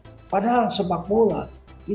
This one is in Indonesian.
kuburan sedih saya baik sepak bola adalah hiburan bukan